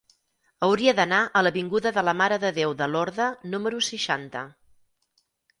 Hauria d'anar a l'avinguda de la Mare de Déu de Lorda número seixanta.